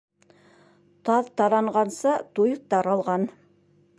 Таҙ таранғанса, туй таралған.